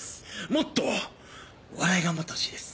もっとお笑い頑張ってほしいです。